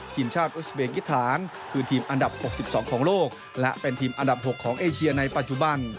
ทีมชาติอุสเบกิฐานคือทีมอันดับ๖๒ของโลกและเป็นทีมอันดับ๖ของเอเชียในปัจจุบัน